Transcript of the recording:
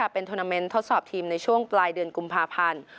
เป็นทวนาเมนต์ทดสอบทีมในช่วงปลายเดือนกุมภาพันธ์